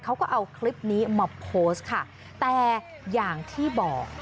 เขาก็เอาคลิปนี้มาโพสต์ค่ะแต่อย่างที่บอก